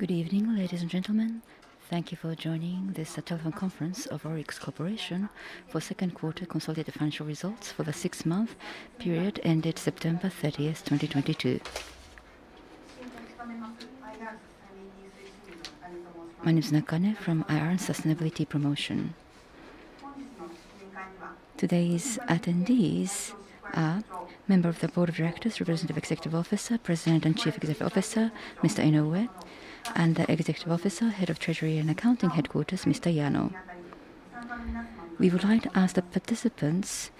Good evening, ladies and gentlemen. Thank you for joining this telephone conference of ORIX Corporation for second quarter consolidated financial results for the six-month period ended September 30, 2022. My name is Nakane from IR Sustainability Promotion. Today's attendees are member of the Board of Directors, Representative Executive Officer, President and Chief Executive Officer, Mr. Inoue, and the Executive Officer, Head of Treasury and Accounting Headquarters, Mr. Yano. We would like to ask the participants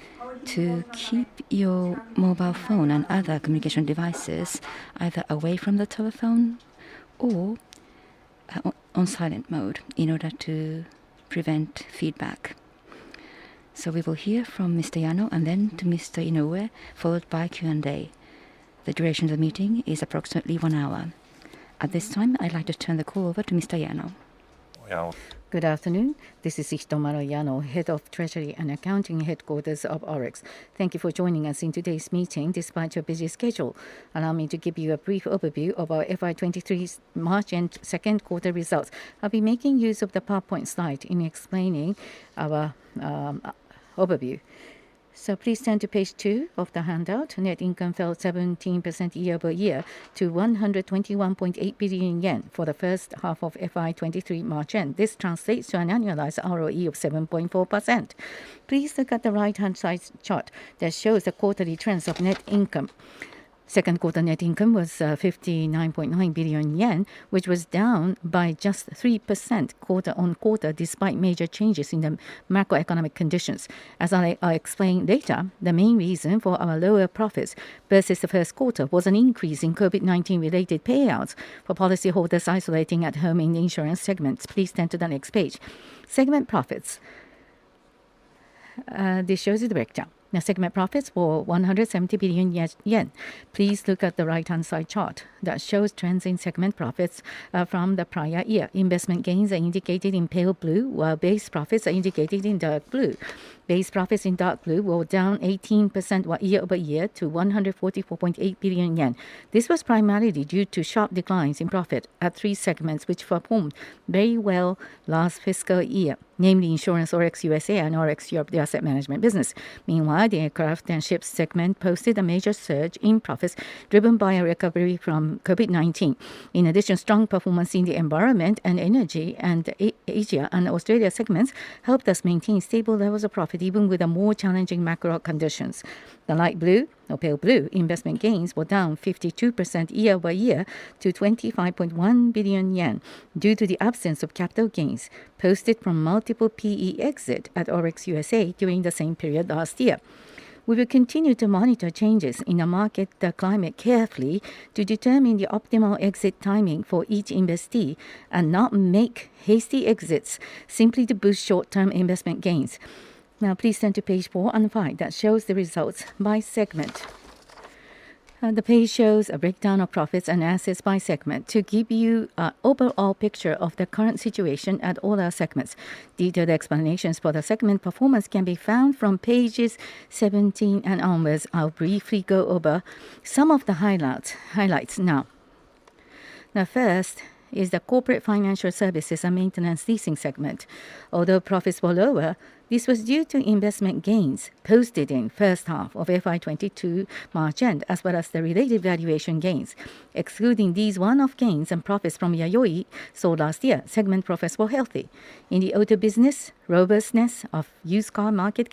to keep your mobile phone and other communication devices either away from the telephone or on silent mode in order to prevent feedback. We will hear from Mr. Yano and then to Mr. Inoue, followed by Q&A. The duration of the meeting is approximately one hour. At this time, I'd like to turn the call over to Mr. Yano. Good afternoon. This is Hitomaro Yano, Head of Treasury and Accounting Headquarters of ORIX. Thank you for joining us in today's meeting despite your busy schedule. Allow me to give you a brief overview of our FY 2023 March-end second quarter results. I'll be making use of the PowerPoint slide in explaining our overview. Please turn to page two of the handout. Net income fell 17% year-over-year to 121.8 billion yen for the first half of FY 2023 March-end. This translates to an annualized ROE of 7.4%. Please look at the right-hand side chart that shows the quarterly trends of net income. Second quarter net income was 59.9 billion yen, which was down by just 3% quarter-on-quarter, despite major changes in the macroeconomic conditions. As I explain later, the main reason for our lower profits versus the first quarter was an increase in COVID-19-related payouts for policyholders isolating at home in the insurance segments. Please turn to the next page. Segment profits. This shows the breakdown. Now, segment profits for 170 billion yen. Please look at the right-hand side chart that shows trends in segment profits from the prior year. Investment gains are indicated in pale blue, while base profits are indicated in dark blue. Base profits in dark blue were down 18% year-over-year to 144.8 billion yen. This was primarily due to sharp declines in profit at three segments which performed very well last fiscal year, namely Insurance, ORIX USA and ORIX Europe, the asset management business. Meanwhile, the aircraft and ships segment posted a major surge in profits, driven by a recovery from COVID-19. In addition, strong performance in the environment and energy and Asia and Australia segments helped us maintain stable levels of profit even with the more challenging macro conditions. The light blue or pale blue investment gains were down 52% year-over-year to 25.1 billion yen due to the absence of capital gains posted from multiple PE exit at ORIX USA during the same period last year. We will continue to monitor changes in the market, the climate carefully to determine the optimal exit timing for each investee and not make hasty exits simply to boost short-term investment gains. Now please turn to page four and five that shows the results by segment. The page shows a breakdown of profits and assets by segment to give you an overall picture of the current situation at all our segments. Detailed explanations for the segment performance can be found from pages 17 and onwards. I'll briefly go over some of the highlights now. The first is the corporate financial services and maintenance leasing segment. Although profits were lower, this was due to investment gains posted in first half of FY 2022 March-end, as well as the related valuation gains. Excluding these one-off gains and profits from Yayoi sold last year, segment profits were healthy. In the auto business, robustness of used car market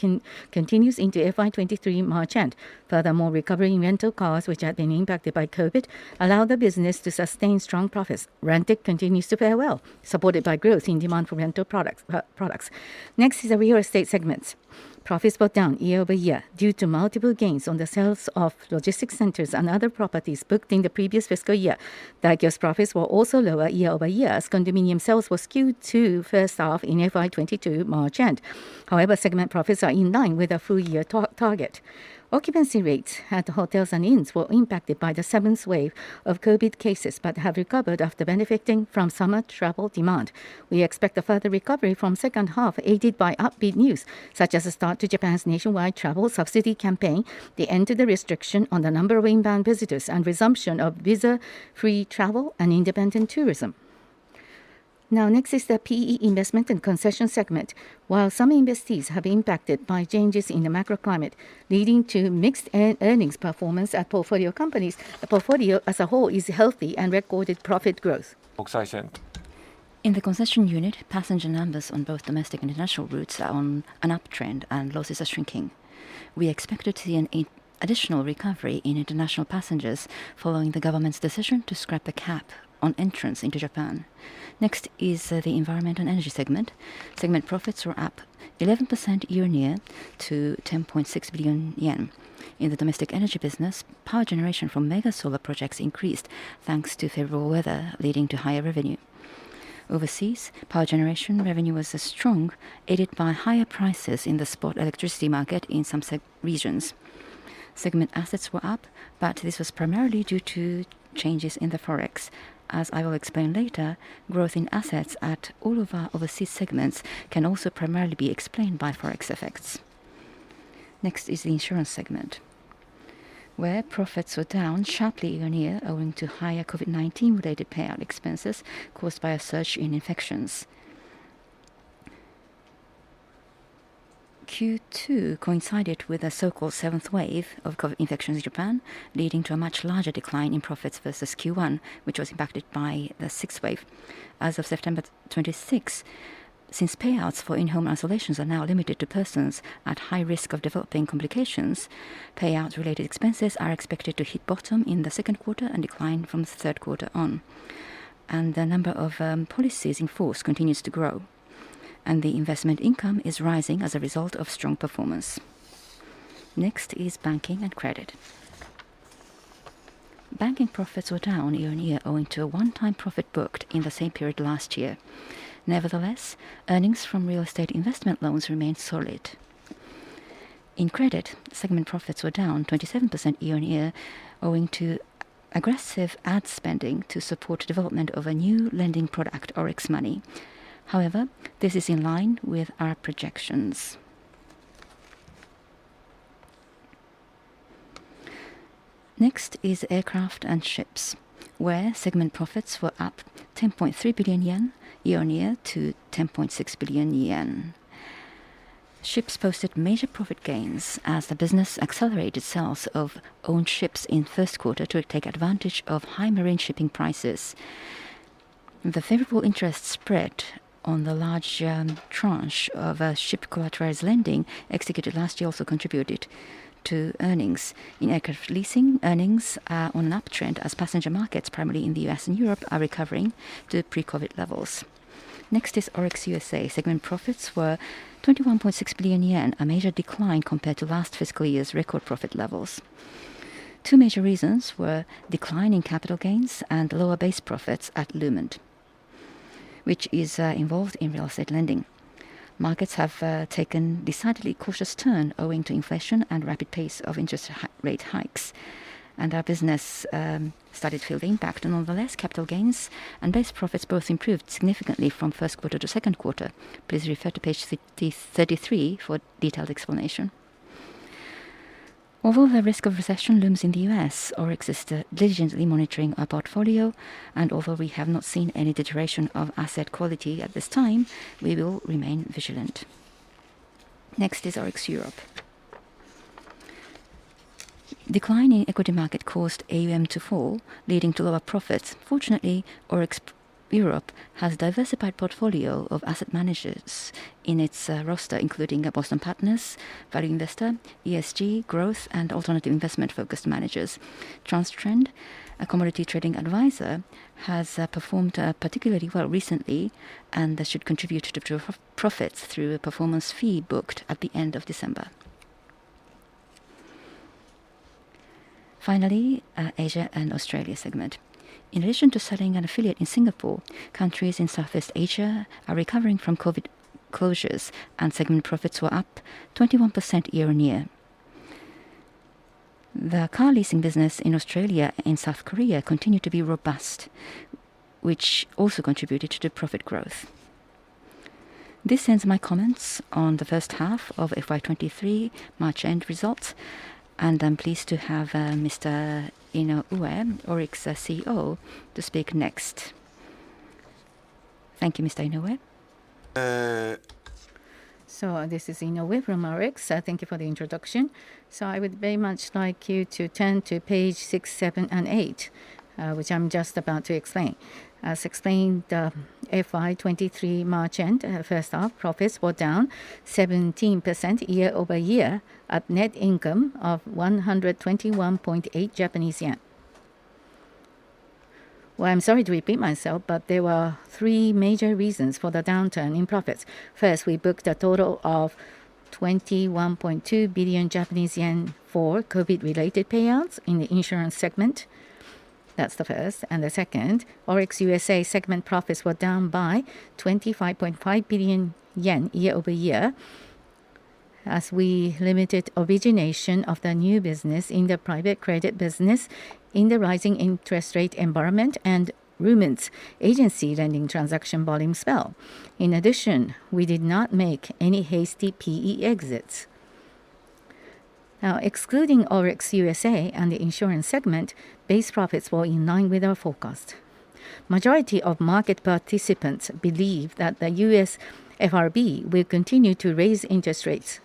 continues into FY 2023 March-end. Furthermore, recovery in rental cars which had been impacted by COVID allowed the business to sustain strong profits. RENTEC continues to fare well, supported by growth in demand for rental products. Next is the real estate segment. Profits were down year-over-year due to multiple gains on the sales of logistics centers and other properties booked in the previous fiscal year. DAIKYO profits were also lower year-over-year as condominium sales were skewed to first half in FY 2022 March-end. However, segment profits are in line with the full-year target. Occupancy rates at hotels and inns were impacted by the seventh wave of COVID cases, but have recovered after benefiting from summer travel demand. We expect a further recovery from second half, aided by upbeat news such as the start to Japan's nationwide travel subsidy campaign, the end to the restriction on the number of inbound visitors and resumption of visa-free travel and independent tourism. Now next is the PE investment and concession segment. While some investees have been impacted by changes in the macro climate, leading to mixed earnings performance at portfolio companies, the portfolio as a whole is healthy and recorded profit growth. In the concession unit, passenger numbers on both domestic and international routes are on an uptrend and losses are shrinking. We expected to see an additional recovery in international passengers following the government's decision to scrap the cap on entry into Japan. Next is the environment and energy segment. Segment profits were up 11% year-on-year to 10.6 billion yen. In the domestic energy business, power generation from mega solar projects increased thanks to favorable weather, leading to higher revenue. Overseas, power generation revenue was also strong, aided by higher prices in the spot electricity market in some regions. Segment assets were up, but this was primarily due to changes in the forex. As I will explain later, growth in assets at all of our overseas segments can also primarily be explained by Forex effects. Next is the insurance segment, where profits were down sharply year-on-year owing to higher COVID-19 related payout expenses caused by a surge in infections. Q2 coincided with the so-called seventh wave of COVID infections in Japan, leading to a much larger decline in profits versus Q1, which was impacted by the sixth wave. As of September 26, since payouts for in-home isolations are now limited to persons at high risk of developing complications, payouts related expenses are expected to hit bottom in the second quarter and decline from the third quarter on. The number of policies in force continues to grow, and the investment income is rising as a result of strong performance. Next is banking and credit. Banking profits were down year-on-year owing to a one-time profit booked in the same period last year. Nevertheless, earnings from real estate investment loans remained solid. In credit, segment profits were down 27% year-on-year owing to aggressive ad spending to support the development of a new lending product, ORIX Money. However, this is in line with our projections. Next is aircraft and ships, where segment profits were up 10.3 billion yen year-on-year to 10.6 billion yen. Ships posted major profit gains as the business accelerated sales of owned ships in first quarter to take advantage of high marine shipping prices. The favorable interest spread on the large, tranche of a ship collateralized lending executed last year also contributed to earnings. In aircraft leasing, earnings are on an uptrend as passenger markets, primarily in the U.S. and Europe, are recovering to pre-COVID levels. Next is ORIX USA. Segment profits were 21.6 billion yen, a major decline compared to last fiscal year's record profit levels. Two major reasons were decline in capital gains and lower base profits at Lument, which is involved in real estate lending. Markets have taken a decidedly cautious turn owing to inflation and rapid pace of interest rate hikes. Our business started to feel the impact. Nonetheless, capital gains and base profits both improved significantly from first quarter to second quarter. Please refer to page 33 for detailed explanation. Although the risk of recession looms in the U.S., ORIX is diligently monitoring our portfolio. Although we have not seen any deterioration of asset quality at this time, we will remain vigilant. Next is ORIX Europe. Decline in equity market caused AUM to fall, leading to lower profits. Fortunately, ORIX Europe has diversified portfolio of asset managers in its roster, including Boston Partners, Value investing, ESG, Growth, and alternative investment-focused managers. Transtrend, a commodity trading advisor, has performed particularly well recently, and this should contribute to profits through a performance fee booked at the end of December. Finally, Asia and Australia segment. In addition to selling an affiliate in Singapore, countries in Southeast Asia are recovering from COVID closures, and segment profits were up 21% year-on-year. The car leasing business in Australia and South Korea continue to be robust, which also contributed to profit growth. This ends my comments on the first half of FY 2023 March-end results, and I'm pleased to have Mr. Inoue, ORIX's CEO, to speak next. Thank you, Mr. Inoue. Uh. This is Inoue from ORIX. Thank you for the introduction. I would very much like you to turn to page 6, 7, and 8, which I'm just about to explain. As explained, FY 2023 March end first half profits were down 17% year-over-year at net income of 121.8 Japanese yen. Well, I'm sorry to repeat myself, but there were three major reasons for the downturn in profits. First, we booked a total of 21.2 billion Japanese yen for COVID-related payouts in the insurance segment. That's the first. The second, ORIX USA segment profits were down by 25.5 billion yen year-over-year as we limited origination of the new business in the private credit business in the rising interest rate environment and Lument agency lending transaction volume fell. In addition, we did not make any hasty PE exits. Now, excluding ORIX USA and the insurance segment, base profits were in line with our forecast. Majority of market participants believe that the U.S. FRB will continue to raise interest rates.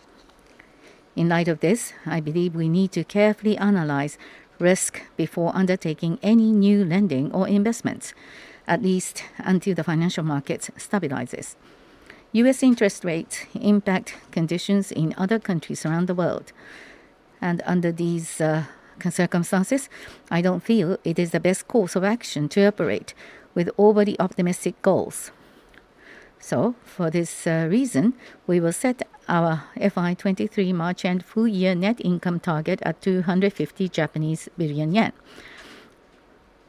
In light of this, I believe we need to carefully analyze risk before undertaking any new lending or investments, at least until the financial market stabilizes. U.S. interest rates impact conditions in other countries around the world, and under these circumstances, I don't feel it is the best course of action to operate with overly optimistic goals. For this reason, we will set our FY 2023 March and full year net income target at 250 billion yen.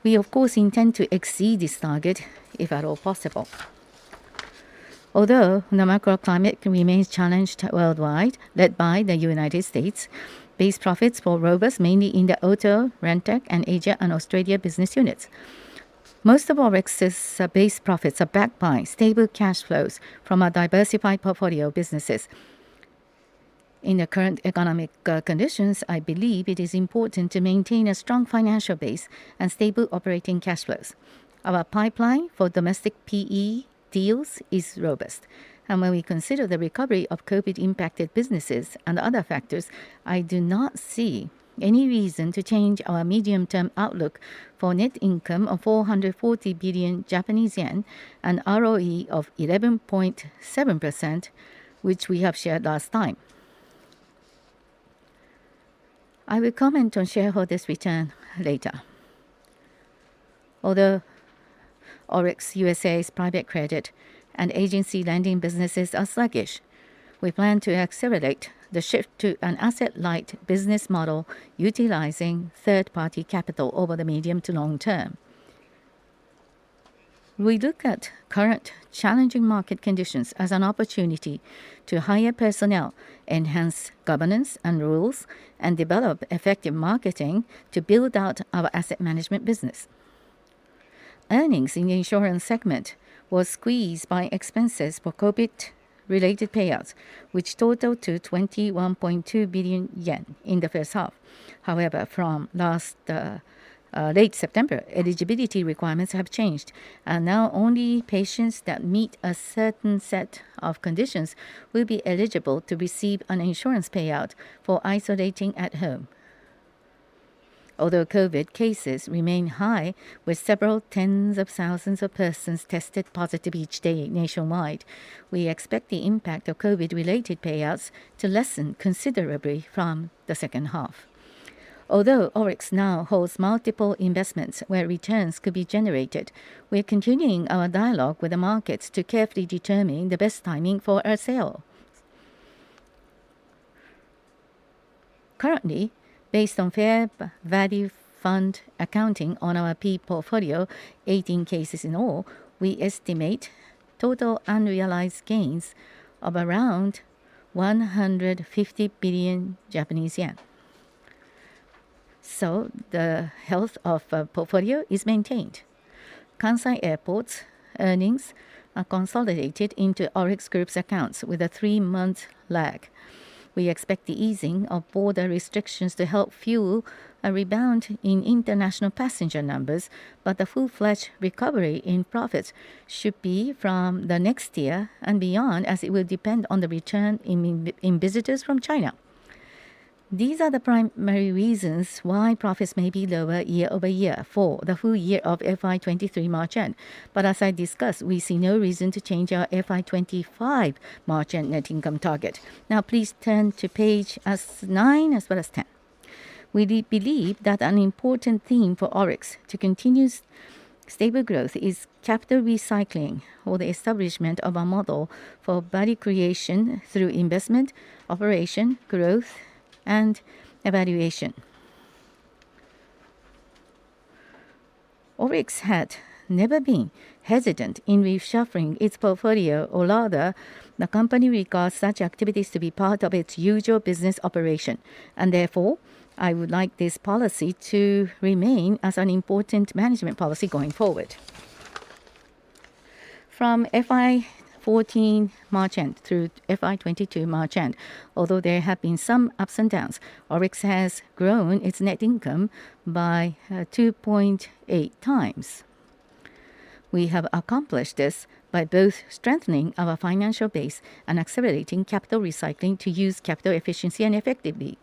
We of course intend to exceed this target if at all possible. Although the macro climate remains challenged worldwide, led by the United States. Base profits mainly in the auto, Rentec, and Asia and Australia business units. Most of ORIX's base profits are backed by stable cash flows from our diversified portfolio businesses. In the current economic conditions, I believe it is important to maintain a strong financial base and stable operating cash flows. Our pipeline for domestic PE deals is robust. When we consider the recovery of COVID-impacted businesses and other factors, I do not see any reason to change our medium-term outlook for net income of 440 billion Japanese yen and ROE of 11.7%, which we have shared last time. I will comment on shareholders' return later. Although ORIX USA's private credit and agency lending businesses are sluggish, we plan to accelerate the shift to an asset-light business model utilizing third-party capital over the medium to long term. We look at current challenging market conditions as an opportunity to hire personnel, enhance governance and rules, and develop effective marketing to build out our asset management business. Earnings in the insurance segment was squeezed by expenses for COVID-related payouts, which totaled to 21.2 billion yen in the first half. However, from late last September, eligibility requirements have changed. Now only patients that meet a certain set of conditions will be eligible to receive an insurance payout for isolating at home. Although COVID cases remain high, with several tens of thousands of persons tested positive each day nationwide, we expect the impact of COVID-related payouts to lessen considerably from the second half. Although ORIX now holds multiple investments where returns could be generated, we're continuing our dialogue with the markets to carefully determine the best timing for a sale. Currently, based on fair value fund accounting on our PE portfolio, 18 cases in all, we estimate total unrealized gains of around JPY 150 billion. The health of the portfolio is maintained. Kansai Airports' earnings are consolidated into ORIX Group's accounts with a three-month lag. We expect the easing of border restrictions to help fuel a rebound in international passenger numbers, but the full-fledged recovery in profits should be from the next year and beyond as it will depend on the return in visitors from China. These are the primary reasons why profits may be lower year-over-year for the full year of FY 2023 March end. As I discussed, we see no reason to change our FY 2025 March end net income target. Now please turn to pages nine as well as 10. We believe that an important theme for ORIX to continue stable growth is capital recycling or the establishment of a model for value creation through investment, operation, growth, and evaluation. ORIX had never been hesitant in reshuffling its portfolio, or rather, the company regards such activities to be part of its usual business operation. Therefore, I would like this policy to remain as an important management policy going forward. From FY 2014 March end through FY 2022 March end, although there have been some ups and downs, ORIX has grown its net income by 2.8 times. We have accomplished this by both strengthening our financial base and accelerating capital recycling to use capital efficiency and effectively.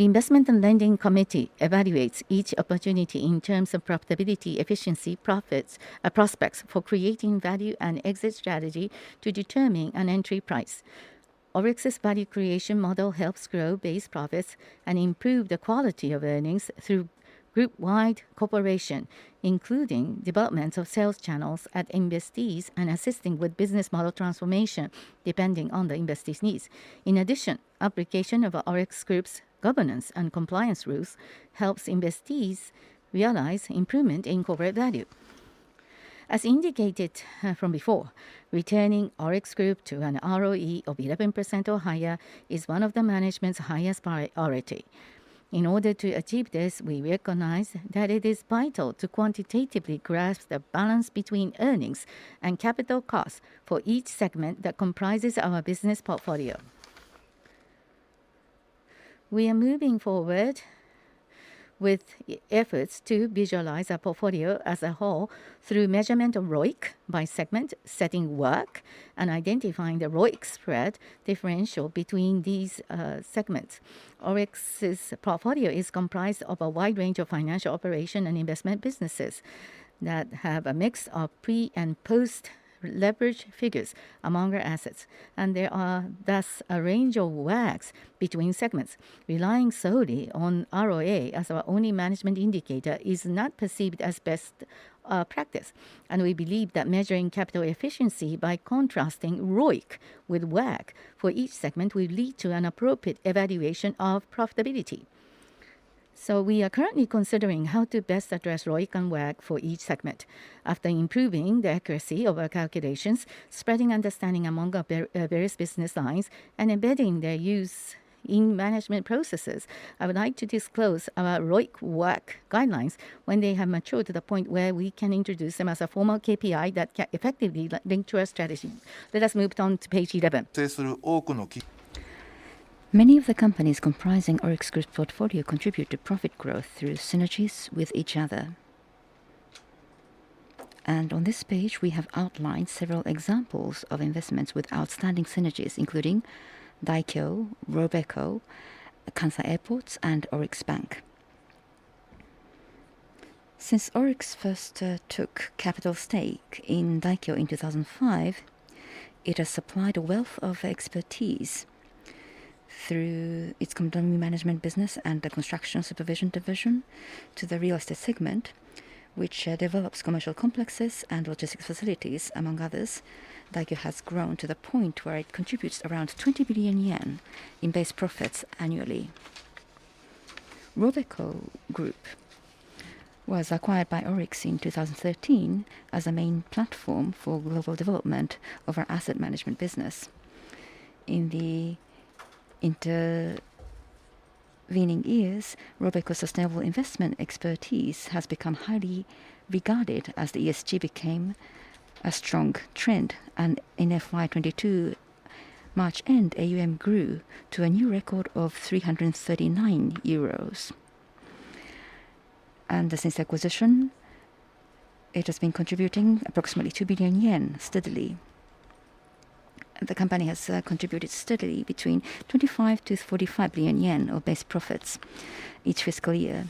The Investment and Lending Committee evaluates each opportunity in terms of profitability, efficiency, profits, prospects for creating value, and exit strategy to determine an entry price. ORIX's value creation model helps grow base profits and improve the quality of earnings through group-wide cooperation, including development of sales channels at investees and assisting with business model transformation, depending on the investee's needs. In addition, application of ORIX Group's governance and compliance rules helps investees realize improvement in corporate value. As indicated from before, returning ORIX Group to an ROE of 11% or higher is one of the management's highest priority. In order to achieve this, we recognize that it is vital to quantitatively grasp the balance between earnings and capital costs for each segment that comprises our business portfolio. We are moving forward with efforts to visualize our portfolio as a whole through measurement of ROIC by segment, setting WACC, and identifying the ROIC spread differential between these segments. ORIX's portfolio is comprised of a wide range of financial operation and investment businesses that have a mix of pre and post-leverage figures among our assets. There are thus a range of WACCs between segments. Relying solely on ROA as our only management indicator is not perceived as best practice. We believe that measuring capital efficiency by contrasting ROIC with WACC for each segment will lead to an appropriate evaluation of profitability. We are currently considering how to best address ROIC and WACC for each segment. After improving the accuracy of our calculations, spreading understanding among our various business lines, and embedding their use in management processes, I would like to disclose our ROIC WACC guidelines when they have matured to the point where we can introduce them as a formal KPI that effectively linked to our strategy. Let us move on to page 11. Many of the companies comprising ORIX Group's portfolio contribute to profit growth through synergies with each other. On this page, we have outlined several examples of investments with outstanding synergies, including Daikyo, Robeco, Kansai Airports, and ORIX Bank. Since ORIX first took capital stake in DAIKYO in 2005, it has supplied a wealth of expertise through its condominium management business and the construction supervision division to the real estate segment, which develops commercial complexes and logistics facilities, among others. DAIKYO has grown to the point where it contributes around 20 billion yen in base profits annually. Robeco Groep was acquired by ORIX in 2013 as a main platform for global development of our asset management business. In the intervening years, Robeco's sustainable investment expertise has become highly regarded as the ESG became a strong trend. In FY 2022 March end, AUM grew to a new record of 339 billion euros. Since acquisition, it has been contributing approximately 2 billion yen steadily. The company has contributed steadily between 25 billion-45 billion yen of base profits each fiscal year.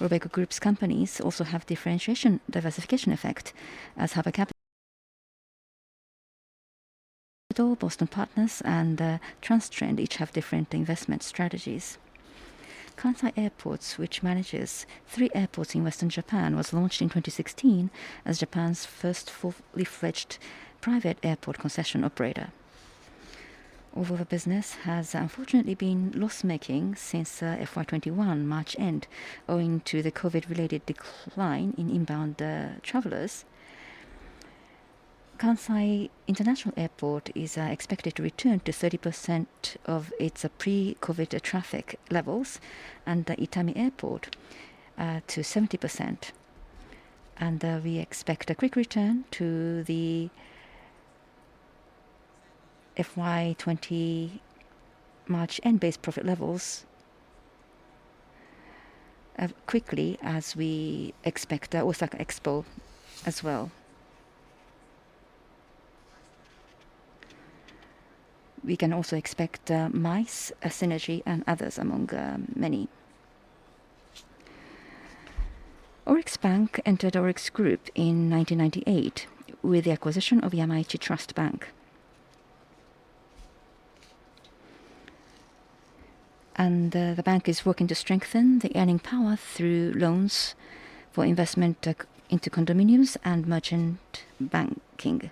Robeco Group's companies also have differentiation, diversification effect, as Harbor Capital, Boston Partners, and Transtrend each have different investment strategies. Kansai Airports, which manages three airports in western Japan, was launched in 2016 as Japan's first full-fledged private airport concession operator. Although the business has unfortunately been loss-making since FY 2021 March end owing to the COVID-related decline in inbound travelers, Kansai International Airport is expected to return to 30% of its pre-COVID traffic levels and the Itami Airport to 70%. We expect a quick return to the FY 2020 March end base profit levels quickly as we expect Osaka Expo as well. We can also expect MICE synergy and others among many. ORIX Bank entered ORIX Group in 1998 with the acquisition of Yamaichi Trust & Banking. The bank is working to strengthen the earning power through loans for investment into condominiums and merchant banking,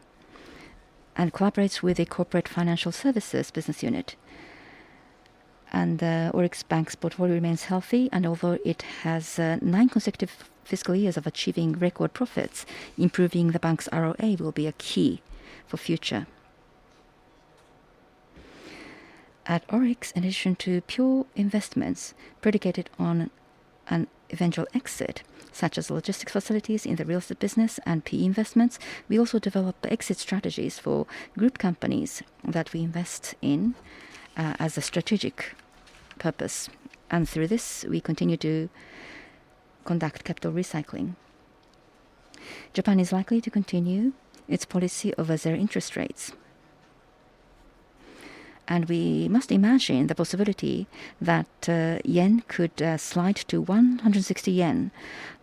and collaborates with the corporate financial services business unit. ORIX Bank's portfolio remains healthy, and although it has nine consecutive fiscal years of achieving record profits, improving the bank's ROA will be a key for future. At ORIX, in addition to pure investments predicated on an eventual exit, such as logistics facilities in the real estate business and PE investments, we also develop exit strategies for group companies that we invest in, as a strategic purpose. Through this, we continue to conduct capital recycling. Japan is likely to continue its policy of zero interest rates. We must imagine the possibility that yen could slide to 160 yen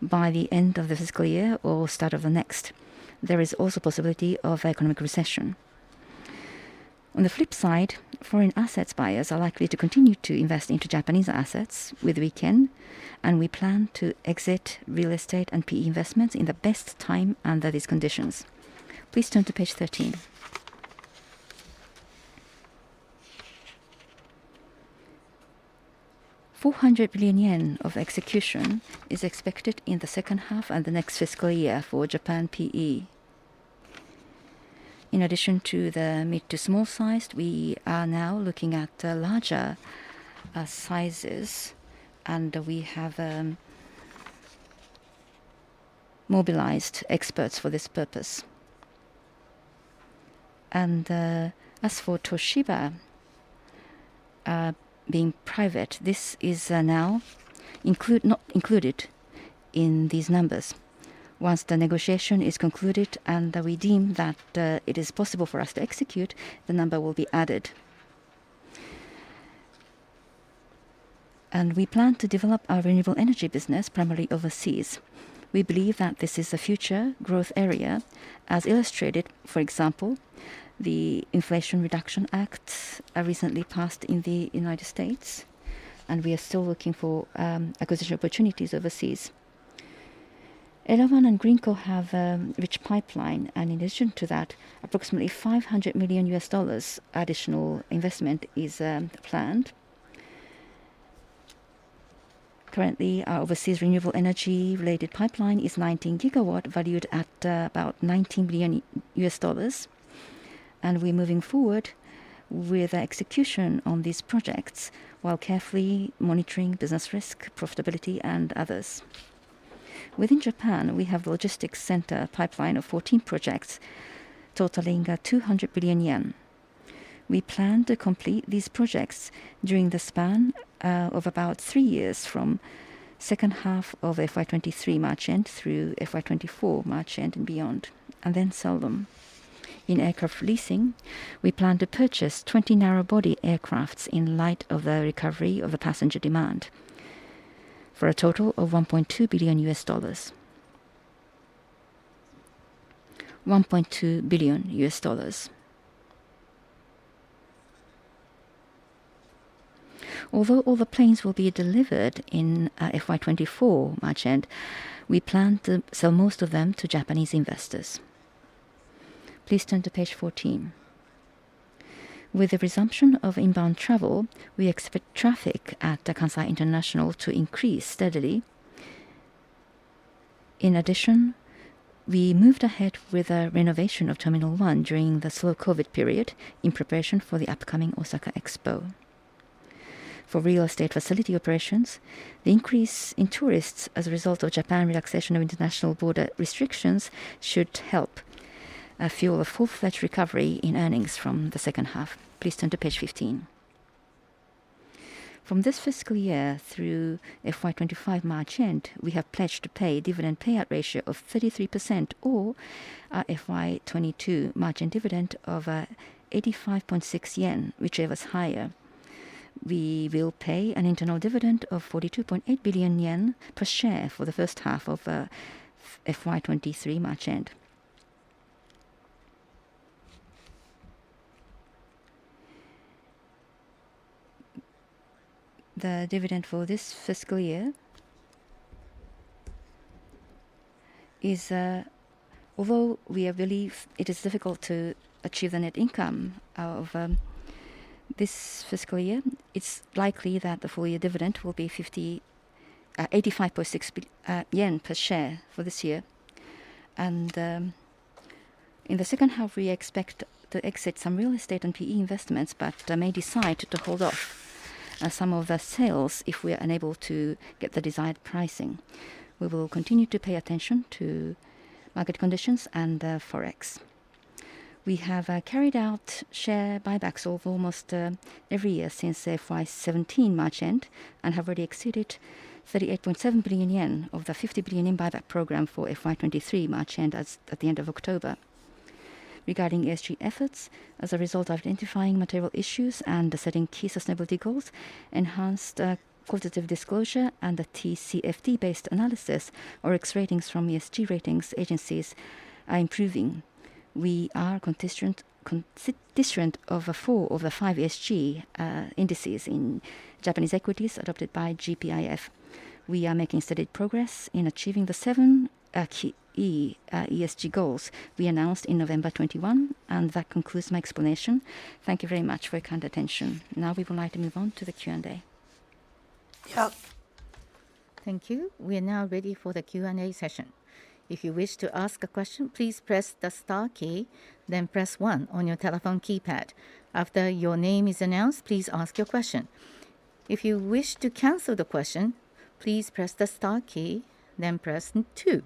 by the end of the fiscal year or start of the next. There is also possibility of economic recession. On the flip side, foreign assets buyers are likely to continue to invest into Japanese assets with weak yen, and we plan to exit real estate and PE investments in the best time under these conditions. Please turn to page 13. 400 billion yen of execution is expected in the second half and the next fiscal year for Japan PE. In addition to the mid- to small-sized, we are now looking at larger sizes, and we have mobilized experts for this purpose. As for Toshiba being private, this is now not included in these numbers. Once the negotiation is concluded and we deem that it is possible for us to execute, the number will be added. We plan to develop our renewable energy business primarily overseas. We believe that this is a future growth area as illustrated, for example, the Inflation Reduction Act recently passed in the United States, and we are still looking for acquisition opportunities overseas. Elawan and Greenko have a rich pipeline, and in addition to that, approximately $500 million additional investment is planned. Currently, our overseas renewable energy-related pipeline is 19 gigawatts, valued at about $19 billion, and we're moving forward with the execution on these projects while carefully monitoring business risk, profitability, and others. Within Japan, we have logistics center pipeline of 14 projects totaling 200 billion yen. We plan to complete these projects during the span of about three years from second half of FY 2023 March end through FY 2024 March end and beyond, and then sell them. In aircraft leasing, we plan to purchase 20 narrow-body aircraft in light of the recovery of the passenger demand for a total of $1.2 billion. Although all the planes will be delivered in FY 2024 March end, we plan to sell most of them to Japanese investors. Please turn to page 14. With the resumption of inbound travel, we expect traffic at the Kansai International to increase steadily. In addition, we moved ahead with a renovation of Terminal 1 during the slow COVID period in preparation for the upcoming Osaka Expo. For real estate facility operations, the increase in tourists as a result of Japan's relaxation of international border restrictions should help fuel a full-fledged recovery in earnings from the second half. Please turn to page 15. From this fiscal year through FY 2025 March end, we have pledged to pay dividend payout ratio of 33% or our FY 2022 March end dividend of 85.6 yen, whichever is higher. We will pay an interim dividend of 42.8 billion yen per share for the first half of FY 2023 March end. Although we believe it is difficult to achieve the net income of this fiscal year, it's likely that the full year dividend will be 85.6 yen per share for this year. In the second half, we expect to exit some real estate and PE investments, but I may decide to hold off some of the sales if we are unable to get the desired pricing. We will continue to pay attention to market conditions and the Forex. We have carried out share buybacks almost every year since FY 2017 March end and have already exceeded 38.7 billion yen of the 50 billion in buyback program for FY 2023 March end as at the end of October. Regarding ESG efforts, as a result of identifying material issues and setting key sustainability goals, enhanced qualitative disclosure and the TCFD-based analysis, ORIX ratings from ESG ratings agencies are improving. We are constituent of four of the five ESG indices in Japanese equities adopted by GPIF. We are making steady progress in achieving the seven key ESG goals we announced in November 2021. That concludes my explanation. Thank you very much for your kind attention. Now, we would like to move on to the Q&A. Yeah. Thank you. We are now ready for the Q&A session. If you wish to ask a question, please press the star key, then press one on your telephone keypad. After your name is announced, please ask your question. If you wish to cancel the question, please press the star key, then press two.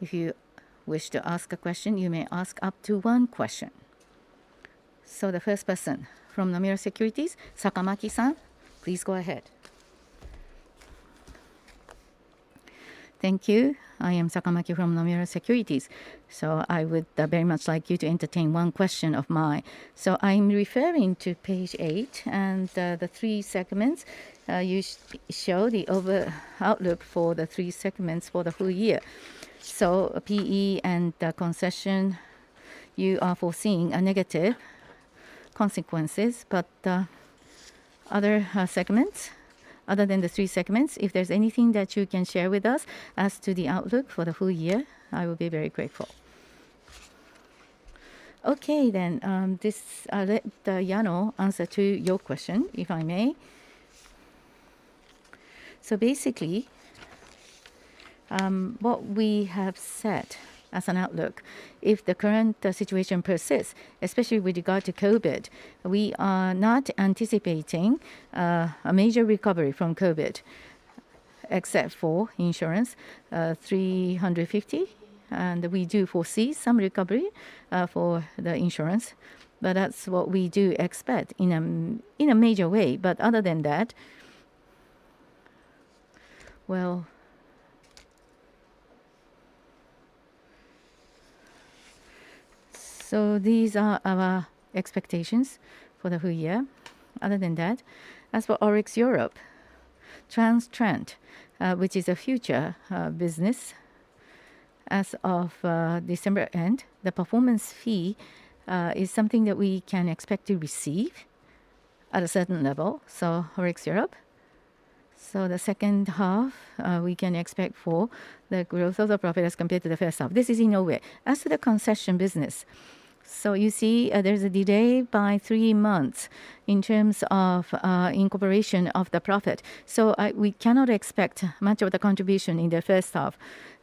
If you wish to ask a question, you may ask up to one question. The first person from Nomura Securities, Sakamaki-san, please go ahead. Thank you. I am Sakamaki from Nomura Securities. I would very much like you to entertain one question of mine. I'm referring to page eight and the three segments. You show the outlook for the three segments for the full year. PE and the concession, you are foreseeing a negative consequences. Other segments other than the three segments, if there's anything that you can share with us as to the outlook for the full year, I would be very grateful. Let Yano answer to your question, if I may. Basically, what we have set as an outlook, if the current situation persists, especially with regard to COVID, we are not anticipating a major recovery from COVID, except for insurance, 350. We do foresee some recovery for the insurance, but that's what we do expect in a major way. Other than that, well, these are our expectations for the full year. Other than that, as for ORIX Europe, Transtrend, which is a futures business. As of December end, the performance fee is something that we can expect to receive at a certain level, so ORIX Europe. The second half, we can expect for the growth of the profit as compared to the first half. This is in a way. As to the concession business, you see, there's a delay by three months in terms of incorporation of the profit. We cannot expect much of the contribution in the first half,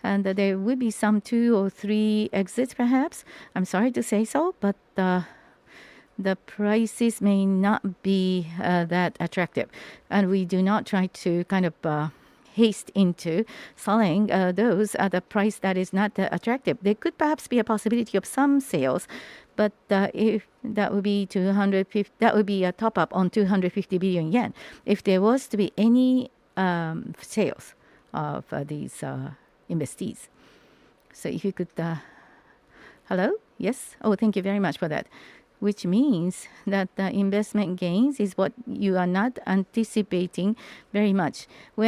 and there will be some two or three exits perhaps. I'm sorry to say so, but the prices may not be that attractive, and we do not try to kind of hasten into selling those at a price that is not attractive. There could perhaps be a possibility of some sales, but if that would be 250. That would be a top-up on 250 billion yen if there was to be any sales of these investees. Hello? Yes. Oh, thank you very much for that. Which means that the investment gains is what you are not anticipating very much. Well,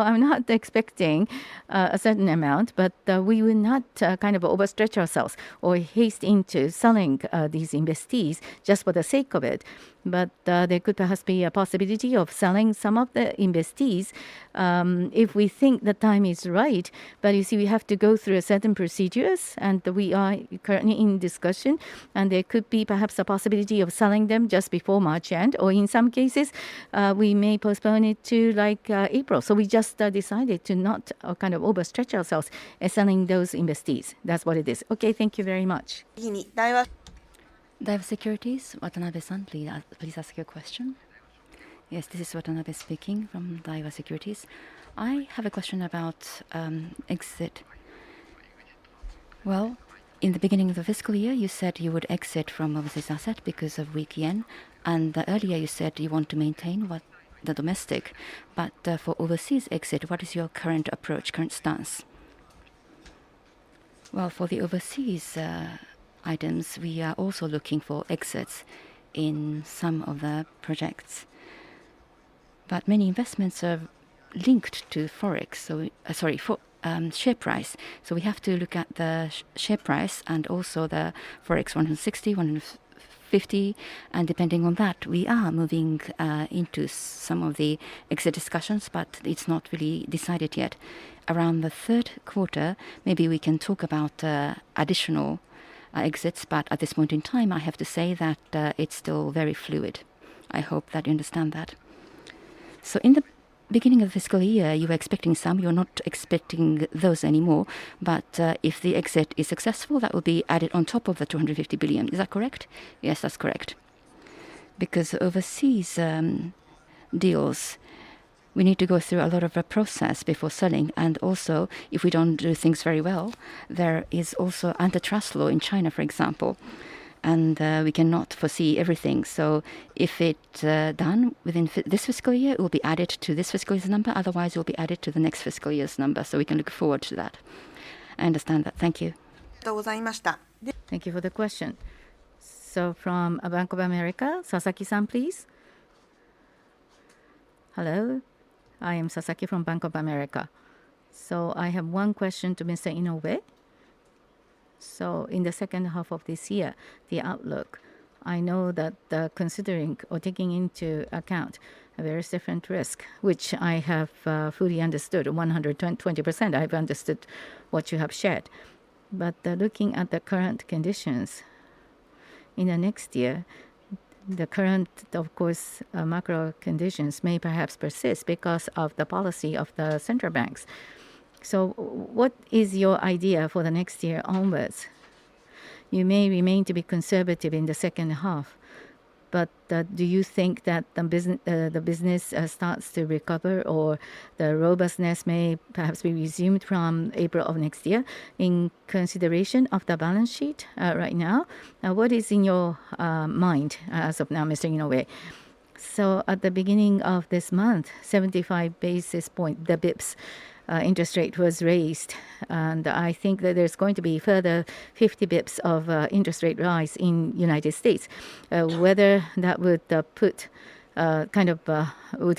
I'm not expecting a certain amount, but we will not kind of overstretch ourselves or hasten into selling these investees just for the sake of it. There could perhaps be a possibility of selling some of the investees if we think the time is right. You see, we have to go through certain procedures, and we are currently in discussion, and there could perhaps be a possibility of selling them just before March end, or in some cases, we may postpone it to like April. We just decided to not kind of overstretch ourselves in selling those investees. That's what it is. Okay, thank you very much. Daiwa Securities, Watanabe-san, please ask your question. Yes, this is Watanabe speaking from Daiwa Securities. I have a question about exit. Well, in the beginning of the fiscal year, you said you would exit from overseas asset because of weak yen, and earlier you said you want to maintain the domestic. For overseas exit, what is your current approach, current stance? Well, for the overseas items, we are also looking for exits in some of the projects. Many investments are linked to share price. We have to look at the share price and also the Forex 160-150, and depending on that, we are moving into some of the exit discussions, but it's not really decided yet. Around the third quarter, maybe we can talk about additional exits. At this point in time, I have to say that it's still very fluid. I hope that you understand that. In the beginning of fiscal year, you were expecting some, you're not expecting those anymore. If the exit is successful, that will be added on top of the 250 billion. Is that correct? Yes, that's correct. Because overseas deals, we need to go through a lot of a process before selling. Also, if we don't do things very well, there is also antitrust law in China, for example, and we cannot foresee everything. If it done within this fiscal year, it will be added to this fiscal year's number, otherwise it will be added to the next fiscal year's number, so we can look forward to that. I understand that. Thank you. Thank you for the question. From Bank of America, Sasaki-san, please. Hello. I am Sasaki from Bank of America. I have one question to Mr. Inoue. In the second half of this year, the outlook, I know that, considering or taking into account various different risk, which I have, fully understood 120%, I've understood what you have shared. Looking at the current conditions in the next year, of course, macro conditions may perhaps persist because of the policy of the central banks. What is your idea for the next year onwards? You may remain to be conservative in the second half, but, do you think that the business starts to recover or the robustness may perhaps be resumed from April of next year in consideration of the balance sheet, right now? What is in your mind as of now, Mr. Inoue? At the beginning of this month, 75 basis points interest rate was raised, and I think that there's going to be further 50 basis points of interest rate rise in United States. Whether that would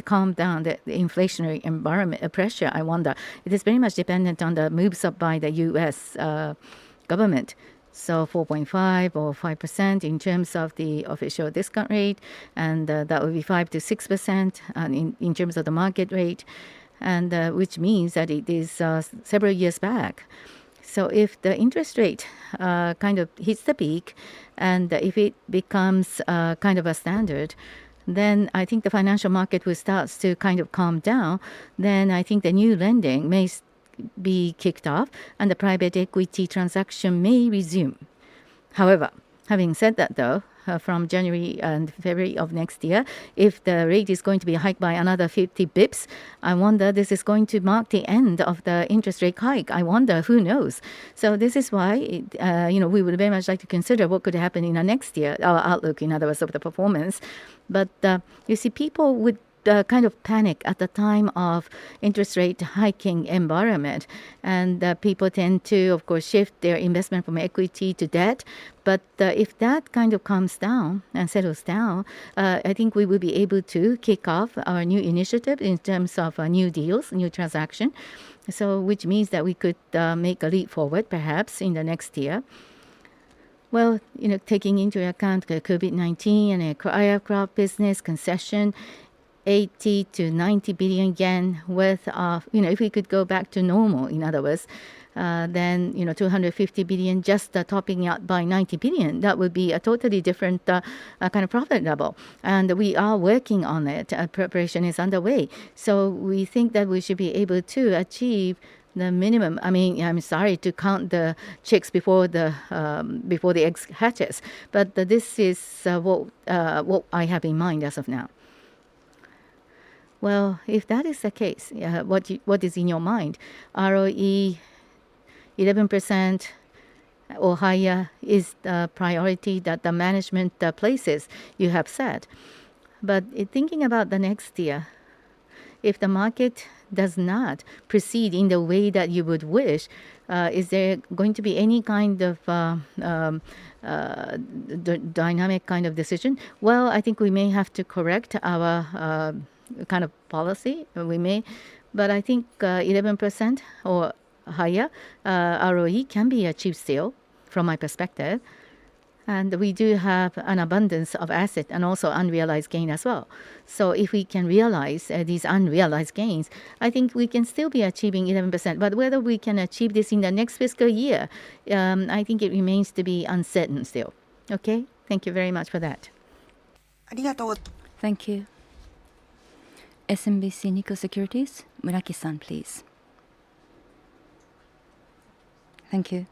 calm down the inflationary environment pressure, I wonder. It is very much dependent on the moves up by the U.S. government. 4.5 or 5% in terms of the official discount rate, and that would be 5%-6% in terms of the market rate, and which means that it is several years back. If the interest rate kind of hits the peak, and if it becomes kind of a standard, then I think the financial market will starts to kind of calm down. I think the new lending may be kicked off, and the private equity transaction may resume. However, having said that, though, from January and February of next year, if the rate is going to be hiked by another 50 basis points, I wonder this is going to mark the end of the interest rate hike. I wonder. Who knows? This is why, you know, we would very much like to consider what could happen in the next year, our outlook, in other words, of the performance. But, you see, people would kind of panic at the time of interest rate hiking environment, and people tend to, of course, shift their investment from equity to debt. If that kind of calms down and settles down, I think we will be able to kick off our new initiative in terms of new deals, new transaction. Which means that we could make a leap forward perhaps in the next year. Well, you know, taking into account the COVID-19 and aircraft business concession, 80 billion-90 billion yen worth of. You know, if we could go back to normal, in other words, then, you know, 250 billion, just topping it up by 90 billion, that would be a totally different kind of profit level. We are working on it, and preparation is underway. We think that we should be able to achieve the minimum. I mean, I'm sorry to count the chicks before the egg hatches, but this is what I have in mind as of now. Well, if that is the case, yeah, what is in your mind? ROE, 11% or higher is the priority that the management places, you have said. In thinking about the next year, if the market does not proceed in the way that you would wish, is there going to be any kind of dynamic kind of decision? Well, I think we may have to correct our kind of policy. We may. I think 11% or higher ROE can be achieved still, from my perspective. We do have an abundance of asset and also unrealized gain as well. If we can realize these unrealized gains, I think we can still be achieving 11%. Whether we can achieve this in the next fiscal year, I think it remains to be uncertain still. Okay. Thank you very much for that. Thank you. SMBC Nikko Securities, Muraki-san, please. Thank you.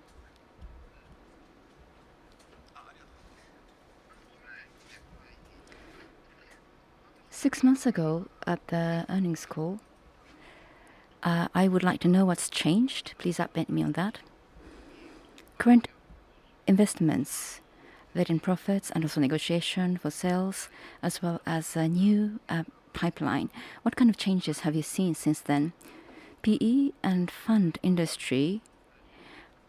Six months ago at the earnings call, I would like to know what's changed. Please update me on that. Current investments that in profits and also negotiation for sales as well as a new pipeline, what kind of changes have you seen since then? PE and fund industry,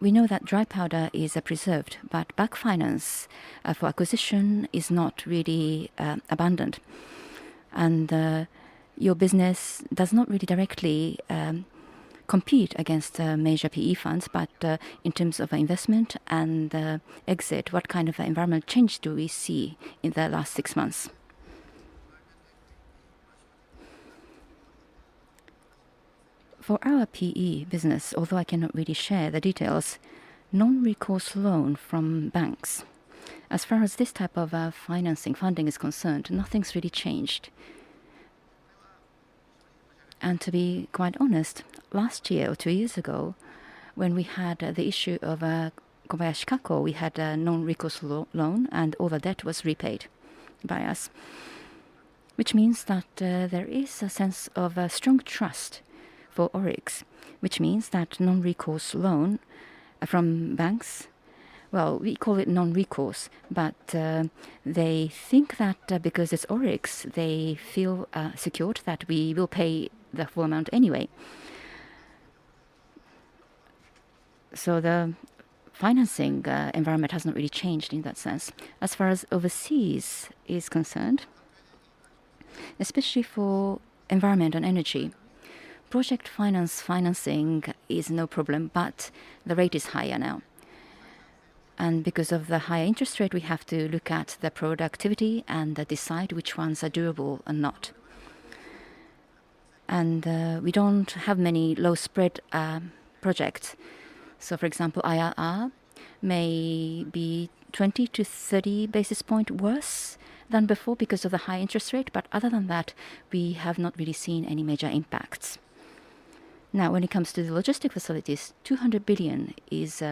we know that dry powder is preserved, but bank finance for acquisition is not really abundant. Your business does not really directly compete against major PE funds, but in terms of investment and exit, what kind of environment change do we see in the last six months? For our PE business, although I cannot really share the details, non-recourse loan from banks, as far as this type of financing, funding is concerned, nothing's really changed. To be quite honest, last year or two years ago, when we had the issue of Kobayashi Kako, we had a non-recourse loan, and all the debt was repaid by us. Which means that there is a sense of a strong trust for ORIX, which means that non-recourse loan from banks, well, we call it non-recourse, but they think that because it's ORIX, they feel secured that we will pay the full amount anyway. The financing environment has not really changed in that sense. As far as overseas is concerned, especially for environment and energy, project finance financing is no problem, but the rate is higher now. Because of the high interest rate, we have to look at the productivity and decide which ones are doable and not. We don't have many low spread projects. For example, IRR may be 20-30 basis points worse than before because of the high interest rate, but other than that, we have not really seen any major impacts. Now, when it comes to the logistics facilities, 200 billion is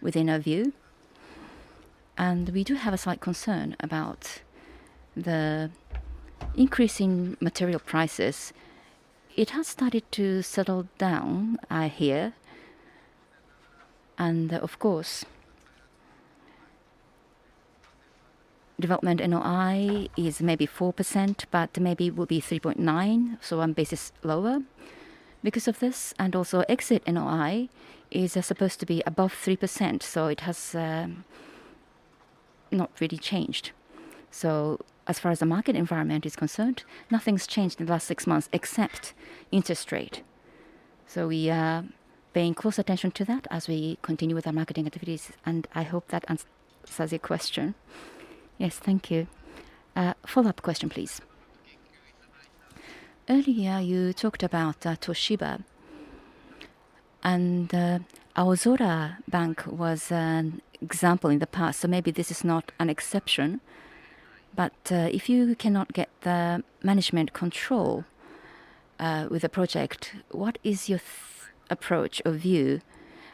within our view. We do have a slight concern about the increasing material prices. It has started to settle down, I hear. Of course, development NOI is maybe 4%, but maybe will be 3.9%, so one basis point lower because of this. Also, exit NOI is supposed to be above 3%, so it has not really changed. As far as the market environment is concerned, nothing's changed in the last six months except interest rate. We are paying close attention to that as we continue with our marketing activities, and I hope that answers your question. Yes. Thank you. Follow-up question, please. Earlier, you talked about Toshiba. Aozora Bank was an example in the past, so maybe this is not an exception. If you cannot get the management control with a project, what is your approach or view,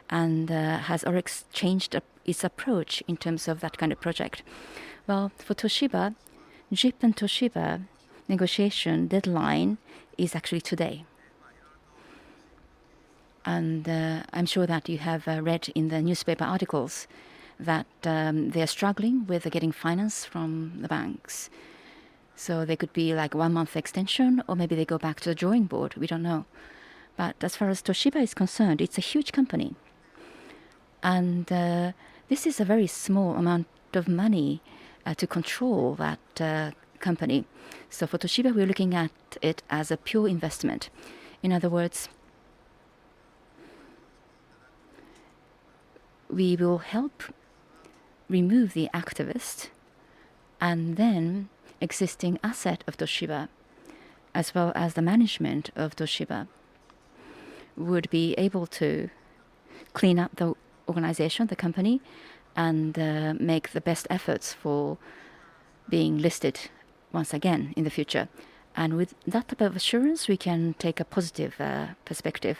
and has ORIX changed its approach in terms of that kind of project? Well, for Toshiba, JIP and Toshiba negotiation deadline is actually today. I'm sure that you have read in the newspaper articles that they're struggling with getting finance from the banks. There could be like one-month extension or maybe they go back to the drawing board. We don't know. As far as Toshiba is concerned, it's a huge company. This is a very small amount of money to control that company. For Toshiba, we're looking at it as a pure investment. In other words- We will help remove the activist, and then existing asset of Toshiba, as well as the management of Toshiba, would be able to clean up the organization, the company, and make the best efforts for being listed once again in the future. With that type of assurance, we can take a positive perspective.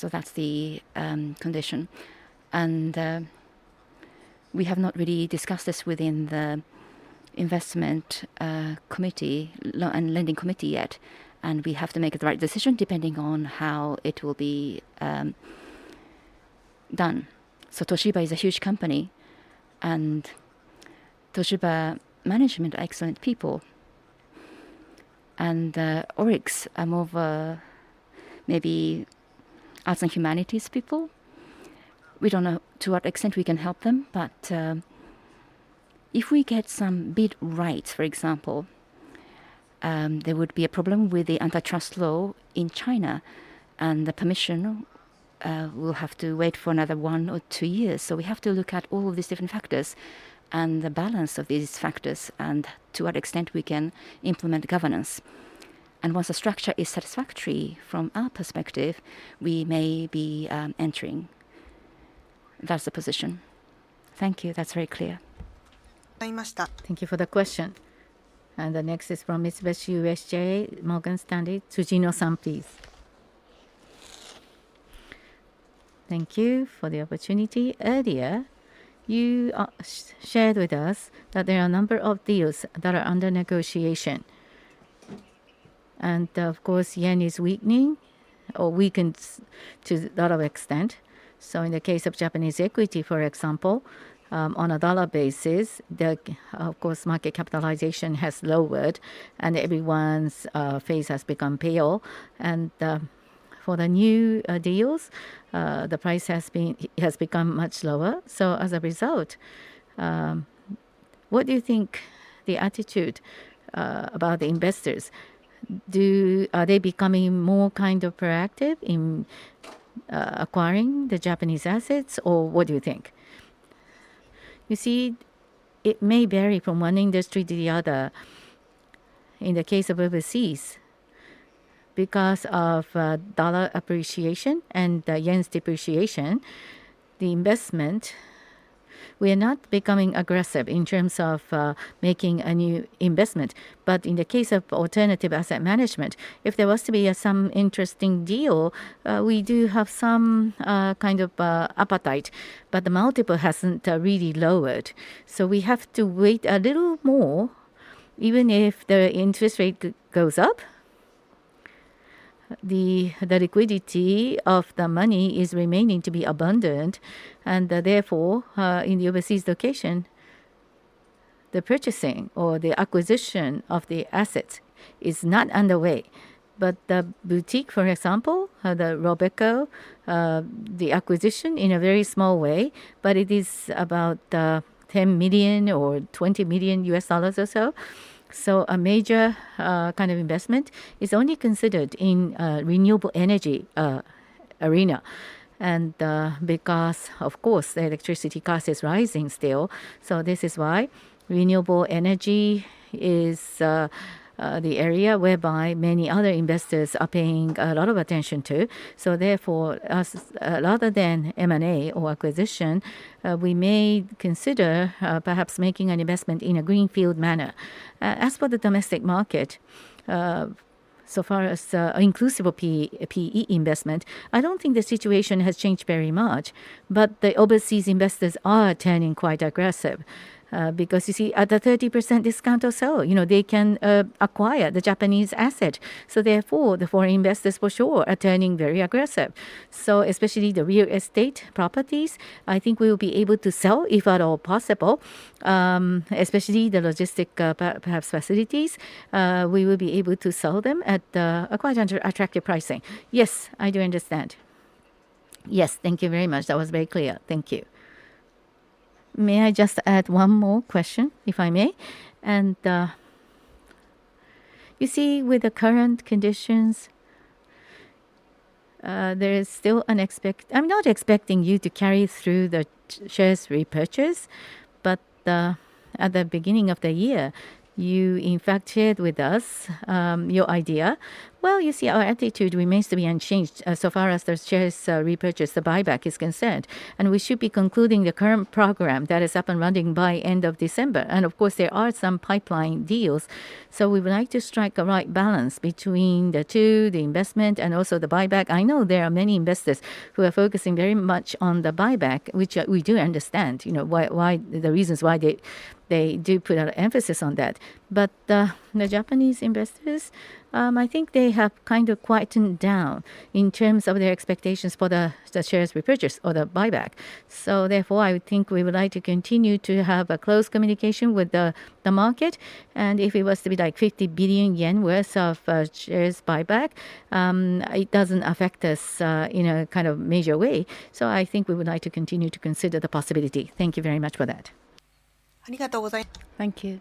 That's the condition. We have not really discussed this within the investment committee and lending committee yet, and we have to make the right decision depending on how it will be done. Toshiba is a huge company, and Toshiba management are excellent people. ORIX are more of a maybe arts and humanities people. We don't know to what extent we can help them. If we get some bid rights, for example, there would be a problem with the antitrust law in China, and the permission will have to wait for another one or two years. We have to look at all of these different factors and the balance of these factors and to what extent we can implement governance. Once the structure is satisfactory from our perspective, we may be entering. That's the position. Thank you. That's very clear. Thank you for the question. The next is from Mitsubishi UFJ Morgan Stanley, Tsujino-san, please. Thank you for the opportunity. Earlier, you shared with us that there are a number of deals that are under negotiation. Of course, yen is weakening or weakened to a lot of extent. In the case of Japanese equity, for example, on a dollar basis, of course, market capitalization has lowered, and everyone's face has become pale. For the new deals, the price has become much lower. As a result, what do you think the attitude about the investors? Are they becoming more kind of proactive in acquiring the Japanese assets, or what do you think? You see, it may vary from one industry to the other. In the case of overseas, because of dollar appreciation and the yen's depreciation, the investment, we are not becoming aggressive in terms of making a new investment. In the case of alternative asset management, if there was to be some interesting deal, we do have some kind of appetite. The multiple hasn't really lowered. We have to wait a little more. Even if the interest rate goes up, the liquidity of the money is remaining to be abundant. Therefore, in the overseas location, the purchasing or the acquisition of the asset is not underway. The boutique, for example, the Robeco, the acquisition in a very small way, but it is about $10 million or $20 million or so. A major kind of investment is only considered in renewable energy area. Because, of course, the electricity cost is rising still. This is why renewable energy is the area whereby many other investors are paying a lot of attention to. Therefore, us, rather than M&A or acquisition, we may consider, perhaps making an investment in a greenfield manner. As for the domestic market, as far as, inclusive of PE investment, I don't think the situation has changed very much. The overseas investors are turning quite aggressive. Because you see, at a 30% discount or so, you know, they can acquire the Japanese asset. Therefore, the foreign investors for sure are turning very aggressive. Especially the real estate properties, I think we will be able to sell if at all possible, especially the logistics, perhaps facilities. We will be able to sell them at a quite unattractive pricing. Yes, I do understand. Yes. Thank you very much. That was very clear. Thank you. May I just add one more question, if I may? With the current conditions, I'm not expecting you to carry through the share repurchase. At the beginning of the year, you in fact shared with us your idea. Well, you see, our attitude remains to be unchanged so far as the share repurchase, the buyback, is concerned. We should be concluding the current program that is up and running by end of December. Of course, there are some pipeline deals. We would like to strike the right balance between the two, the investment and also the buyback. I know there are many investors who are focusing very much on the buyback, which we do understand, you know, why the reasons why they do put an emphasis on that. The Japanese investors, I think they have kind of quieted down in terms of their expectations for the shares repurchase or the buyback. Therefore, I would think we would like to continue to have a close communication with the market. If it was to be like 50 billion yen worth of shares buyback, it doesn't affect us in a kind of major way. I think we would like to continue to consider the possibility. Thank you very much for that. Thank you.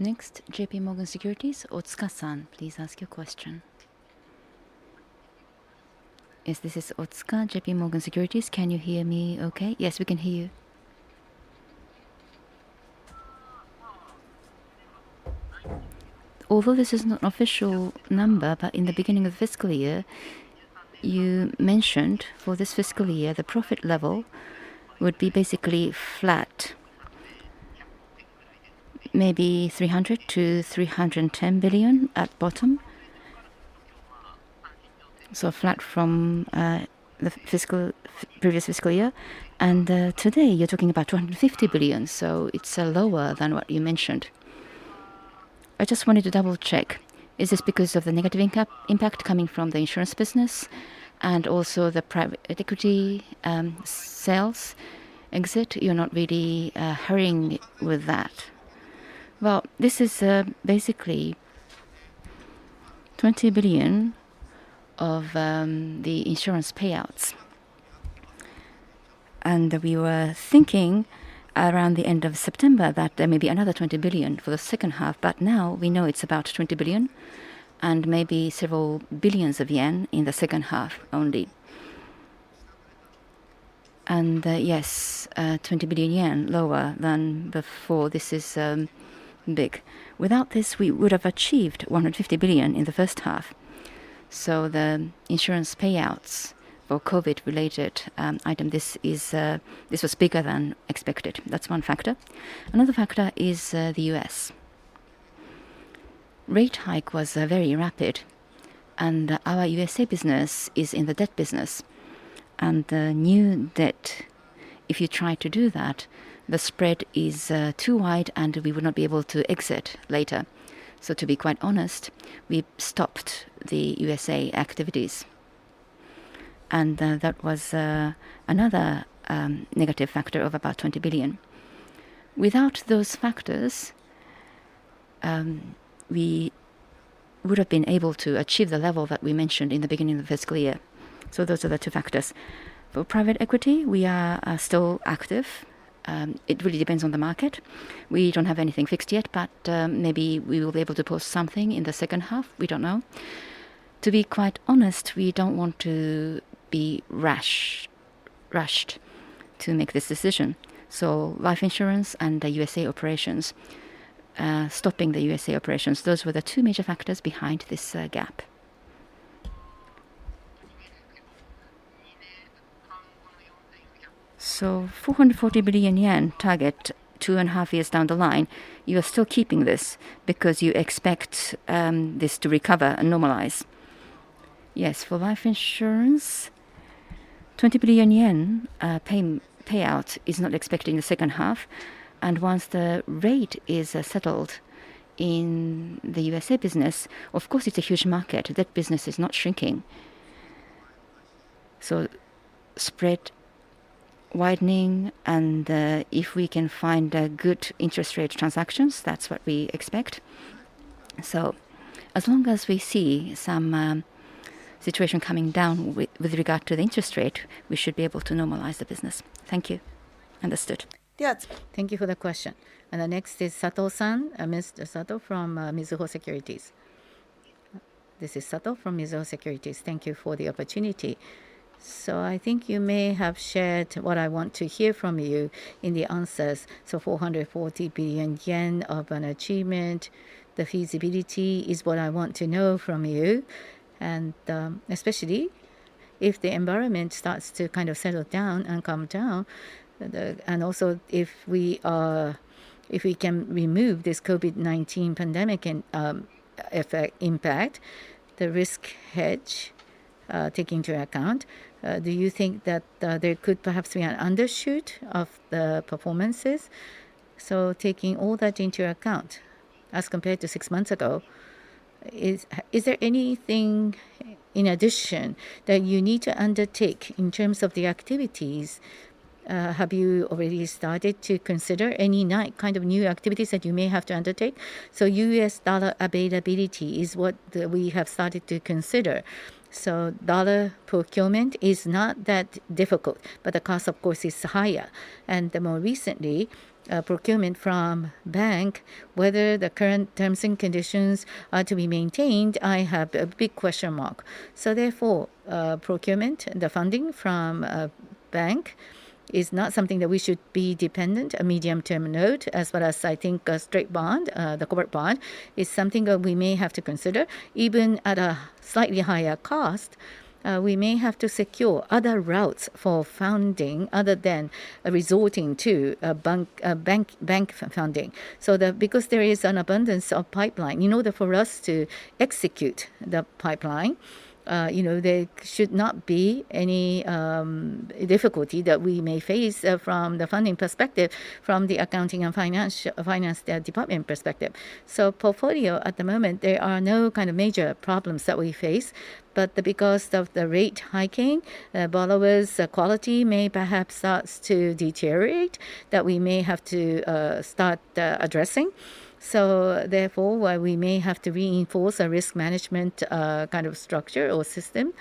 Next, JPMorgan Securities, Otsuka-san, please ask your question. Yes, this is Otsuka, JPMorgan Securities. Can you hear me okay? Yes, we can hear you. Although this is not official number, but in the beginning of fiscal year, you mentioned for this fiscal year, the profit level would be basically flat. Maybe JPY 300-310 billion at bottom. Flat from the previous fiscal year. Today you're talking about 250 billion, so it's lower than what you mentioned. I just wanted to double-check. Is this because of the negative impact coming from the insurance business and also the private equity sales exit? You're not really hurrying with that. Well, this is basically 20 billion of the insurance payouts. We were thinking around the end of September that there may be another 20 billion for the second half, but now we know it's about 20 billion and maybe several billion JPY in the second half only. 20 billion yen lower than before. This is big. Without this, we would have achieved 150 billion in the first half. The insurance payouts for COVID-related item, this was bigger than expected. That's one factor. Another factor is the U.S. rate hike was very rapid, and our U.S. business is in the debt business. The new debt, if you try to do that, the spread is too wide, and we would not be able to exit later. To be quite honest, we stopped the U.S. activities. That was another negative factor of about 20 billion. Without those factors, we would have been able to achieve the level that we mentioned in the beginning of the fiscal year. Those are the two factors. For private equity, we are still active. It really depends on the market. We don't have anything fixed yet, but maybe we will be able to post something in the second half. We don't know. To be quite honest, we don't want to be rushed to make this decision. Life insurance and the USA operations, stopping the USA operations, those were the two major factors behind this gap. 440 billion yen target two and a half years down the line, you are still keeping this because you expect this to recover and normalize? Yes. For life insurance, 20 billion yen payout is not expected in the second half. Once the rate is settled in the USA business, of course, it's a huge market. That business is not shrinking. Spread widening and if we can find good interest rate transactions, that's what we expect. As long as we see some situation coming down with regard to the interest rate, we should be able to normalize the business. Thank you. Understood. Thank you for the question. The next is Sato-san, Mr. Sato from Mizuho Securities. This is Sato from Mizuho Securities. Thank you for the opportunity. I think you may have shared what I want to hear from you in the answers. 440 billion yen of an achievement, the feasibility is what I want to know from you, and especially if the environment starts to kind of settle down and calm down. Also if we can remove this COVID-19 pandemic and effect impact, the risk hedge take into account, do you think that there could perhaps be an undershoot of the performances? Taking all that into account, as compared to six months ago, is there anything in addition that you need to undertake in terms of the activities? Have you already started to consider any kind of new activities that you may have to undertake? U.S. dollar availability is what we have started to consider. Dollar procurement is not that difficult, but the cost of course is higher. More recently, procurement from bank, whether the current terms and conditions are to be maintained, I have a big question mark. Procurement, the funding from a bank is not something that we should be dependent, a medium-term note, as well as I think a straight bond. The corporate bond is something that we may have to consider. Even at a slightly higher cost, we may have to secure other routes for funding other than resorting to bank funding. Because there is an abundance of pipeline, you know, that for us to execute the pipeline, you know, there should not be any difficulty that we may face from the funding perspective, from the accounting and finance department perspective. Portfolio at the moment, there are no kind of major problems that we face. Because of the rate hiking, borrowers' quality may perhaps starts to deteriorate, that we may have to start addressing. Therefore, we may have to reinforce a risk management kind of structure or system.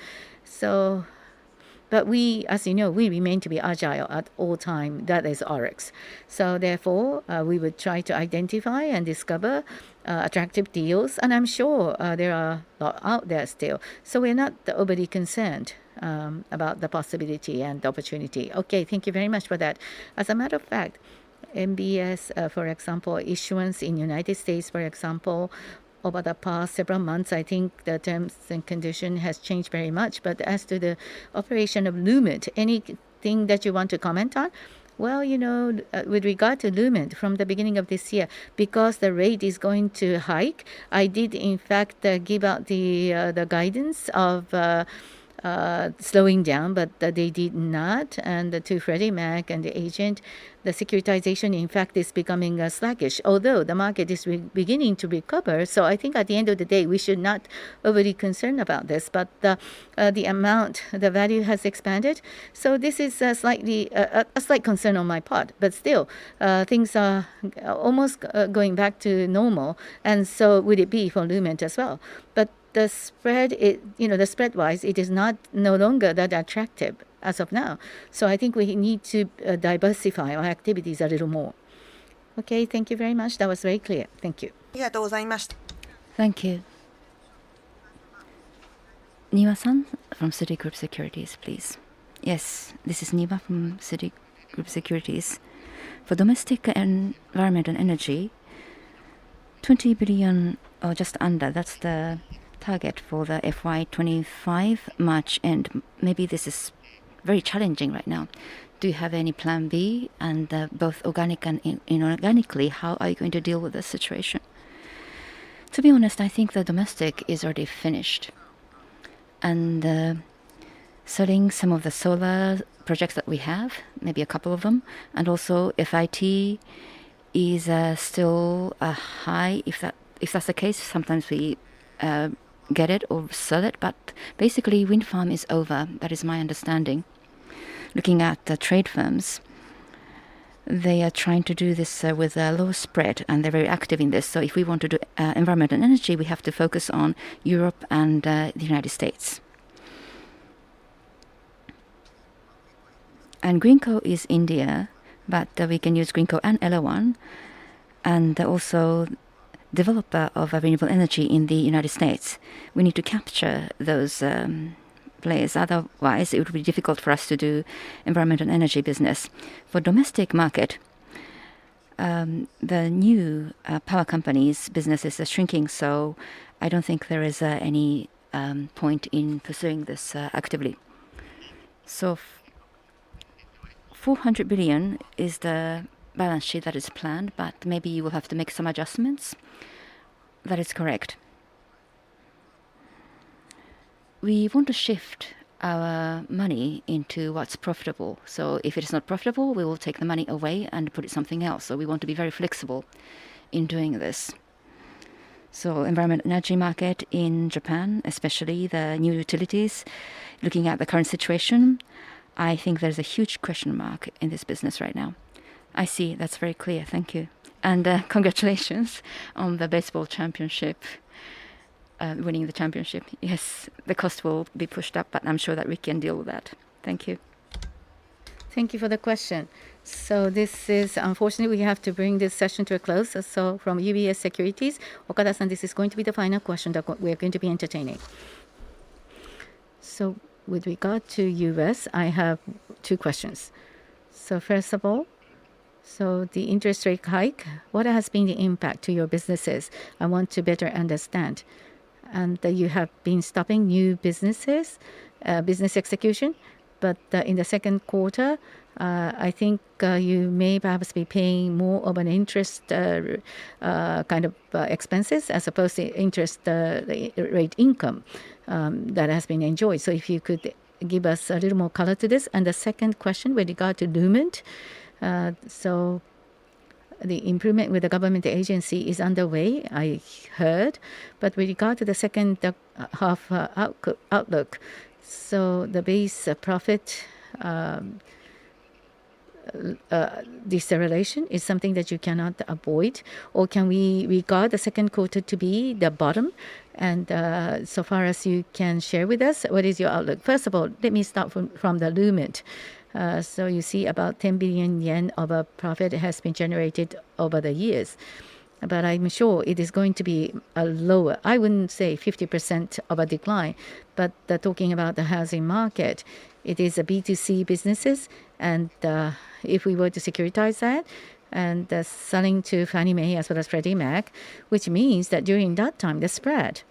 We, as you know, we remain to be agile at all time. That is ORIX. Therefore, we would try to identify and discover attractive deals, and I'm sure there are a lot out there still. We're not overly concerned about the possibility and opportunity. Okay, thank you very much for that. As a matter of fact, MBS, for example, issuance in United States, for example, over the past several months, I think the terms and condition has changed very much. As to the operation of Lument, anything that you want to comment on? Well, you know, with regard to Lument, from the beginning of this year, because the rate is going to hike, I did in fact give out the guidance of slowing down, but they did not. To Freddie Mac and the agent, the securitization in fact is becoming sluggish, although the market is re-beginning to recover. I think at the end of the day, we should not overly concern about this. The amount, the value has expanded, so this is a slight concern on my part. Still, things are almost going back to normal, and so would it be for Lument as well. The spread, it. You know, the spread wise, it is not no longer that attractive as of now. I think we need to diversify our activities a little more. Okay, thank you very much. That was very clear. Thank you. Thank you. Niwa-san from Citigroup Securities, please. Yes, this is Niwa from Citigroup Securities. For domestic environment and energy, 20 billion or just under, that's the target for the FY 2025 March end. Maybe this is very challenging right now. Do you have any plan B and both organic and inorganically, how are you going to deal with this situation? To be honest, I think the domestic is already finished. Selling some of the solar projects that we have, maybe a couple of them, and also if it is still high. If that's the case, sometimes we get it or sell it. Basically, wind farm is over. That is my understanding. Looking at the trading firms, they are trying to do this with a lower spread, and they're very active in this. If we want to do environment and energy, we have to focus on Europe and the United States. Greenko in India, but we can use Greenko and Elawan, and also developer of renewable energy in the United States. We need to capture those players. Otherwise, it would be difficult for us to do environment and energy business. For domestic market, the new power companies' businesses are shrinking, so I don't think there is any point in pursuing this actively. 400 billion is the balance sheet that is planned, but maybe you will have to make some adjustments? That is correct. We want to shift our money into what's profitable. If it is not profitable, we will take the money away and put it into something else. We want to be very flexible in doing this. Environment and energy market in Japan, especially the new utilities, looking at the current situation, I think there's a huge question mark in this business right now. I see. That's very clear. Thank you. Congratulations on the baseball championship, winning the championship. Yes. The cost will be pushed up, but I'm sure that we can deal with that. Thank you. Thank you for the question. Unfortunately, we have to bring this session to a close. From UBS Securities, Okada-san, this is going to be the final question that we're going to be entertaining. With regard to U.S., I have two questions. First of all, the interest rate hike, what has been the impact to your businesses? I want to better understand. You have been stopping new businesses, business execution. In the second quarter, I think, you may perhaps be paying more of an interest kind of expenses as opposed to interest rate income that has been enjoyed. If you could give us a little more color to this. The second question with regard to Lument, so the improvement with the government agency is underway, I heard. With regard to the second half outlook, so the base profit deceleration is something that you cannot avoid, or can we regard the second quarter to be the bottom? So far as you can share with us, what is your outlook? First of all, let me start from the Lument. So you see about 10 billion yen of profit has been generated over the years. But I'm sure it is going to be lower. I wouldn't say 50% of a decline. Talking about the housing market, it is B2C businesses, and if we were to securitize that and selling to Fannie Mae as well as Freddie Mac, which means that during that time, the spread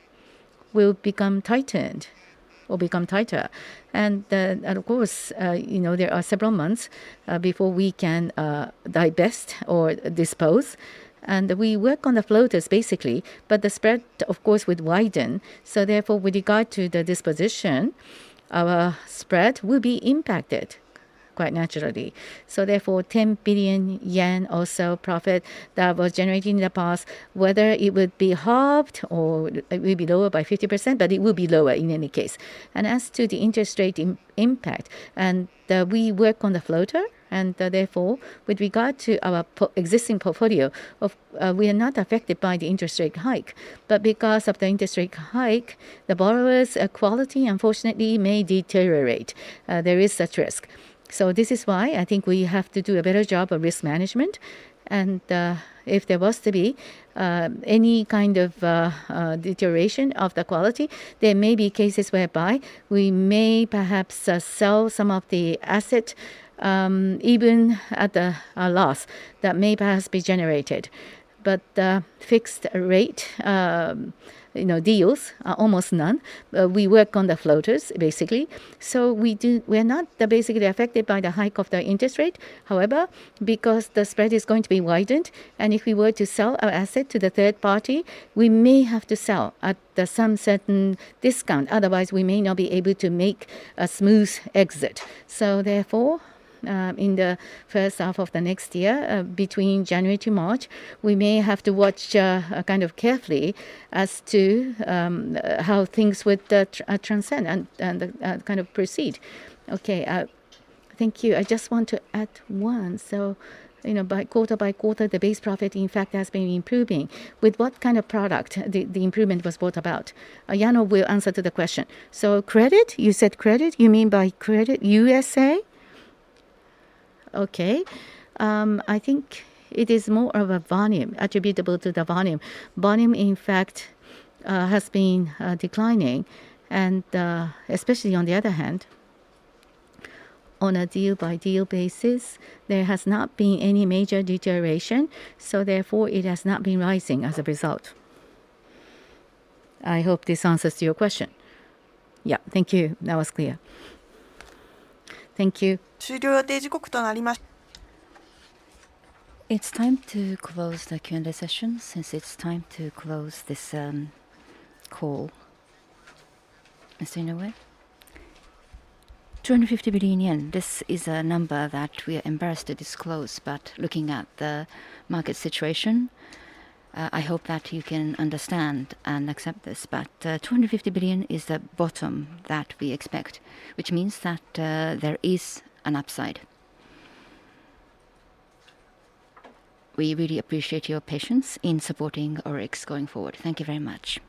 will become tightened or become tighter. And of course, you know, there are several months before we can divest or dispose. We work on the floaters basically, but the spread of course would widen. Therefore, with regard to the disposition, our spread will be impacted. Quite naturally. Therefore, 10 billion yen or so profit that was generated in the past, whether it would be halved or it will be lower by 50%, but it will be lower in any case. As to the interest rate impact, we work on the floater, therefore, with regard to our pre-existing portfolio, we are not affected by the interest rate hike. Because of the interest rate hike, the borrowers' quality unfortunately may deteriorate. There is such risk. This is why I think we have to do a better job of risk management. If there was to be any kind of deterioration of the quality, there may be cases whereby we may perhaps sell some of the asset, even at a loss that may perhaps be generated. The fixed rate, you know, deals are almost none. We work on the floaters basically. We're not basically affected by the hike of the interest rate. However, because the spread is going to be widened, and if we were to sell our asset to the third party, we may have to sell at some certain discount, otherwise we may not be able to make a smooth exit. In the first half of the next year, between January to March, we may have to watch kind of carefully as to how things would transpire and kind of proceed. Okay, thank you. I just want to add one. You know, by quarter by quarter, the base profit in fact has been improving. With what kind of product the improvement was brought about? Yano will answer to the question. Credit, you said credit, you mean by credit USA? Okay. I think it is more of a volume, attributable to the volume. Volume, in fact, has been declining and especially on the other hand, on a deal-by-deal basis, there has not been any major deterioration, so therefore it has not been rising as a result. I hope this answers to your question. Yeah. Thank you. That was clear. Thank you. It's time to close the Q&A session since it's time to close this, call. Ms. Inoue? 200 billion yen. This is a number that we are embarrassed to disclose, but looking at the market situation, I hope that you can understand and accept this. 200 billion is the bottom that we expect, which means that there is an upside. We really appreciate your patience in supporting ORIX going forward. Thank you very much.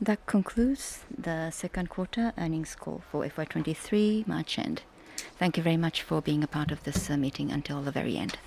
That concludes the second quarter earnings call for FY 2023 March end. Thank you very much for being a part of this meeting until the very end.